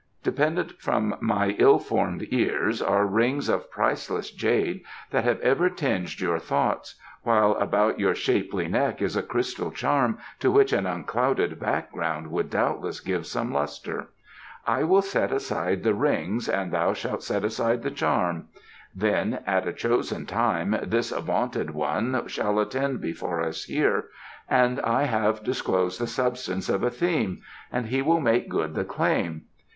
Dependent from my ill formed ears are rings of priceless jade that have ever tinged your thoughts, while about your shapely neck is a crystal charm, to which an unclouded background would doubtless give some lustre. I will set aside the rings and thou shalt set aside the charm. Then, at a chosen time, this vaunted one shall attend before us here, and I having disclosed the substance of a theme, he shall make good the claim.